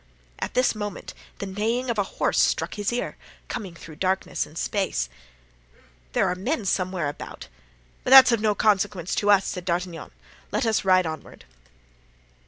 At this moment the neighing of a horse struck his ear, coming through darkness and space. "There are men somewhere about, but that's of no consequence to us," said D'Artagnan; "let us ride onward."